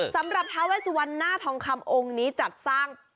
สำหรับท้าเวสวรหน้าทองคำองค์นี้จัดสร้าง